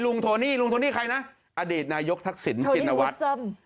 ลุงโทนี้ลุงโทนี้ใครนะอดีตนายกทักษิณจิณวัฏโทนี้วุสำ